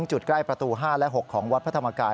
จุดใกล้ประตู๕และ๖ของวัดพระธรรมกาย